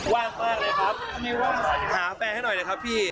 ว่างมากเลยครับหาแฟนให้หน่อยเลยครับพี่